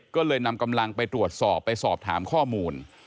ก็เลยนำกำลังไปตรวจสอบไปสอบถามข้อมูล